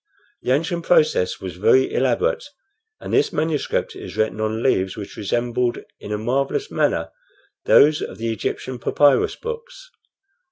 The ancient process was very elaborate and this manuscript is written on leaves which resembled in a marvellous manner those of the Egyptian papyrus books.